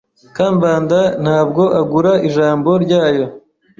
Kambanda ntabwo agura ijambo ryayo.